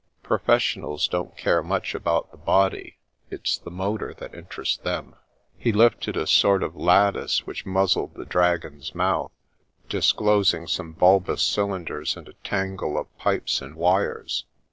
Professionals don't care much about the body ; it's the motor that interests them." He lifted a sort of lattice which muzzled the dragon's mouth, disclosing some bulbous cylinders and a tangle of pipes and wires.